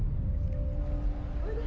おいで！